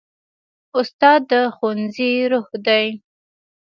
استاد د ښوونځي روح دی.